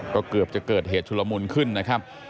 ก็เกือบจะเกิดเหตุชุลมุนขึ้นนะครับ